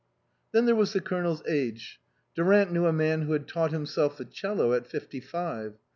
Then there was the Colonel's age. Durant knew a man who had taught himself the 'cello at fifty five.